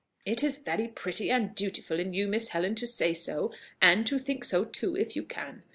"It is very pretty and dutiful in you, Miss Helen, to say so, and to think so too if you can.